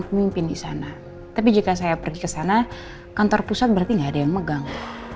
pemimpin di sana tapi jika saya pergi ke sana kantor pusat berarti nggak ada yang megang